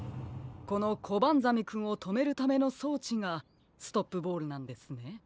このコバンザメくんをとめるためのそうちがストップボールなんですね。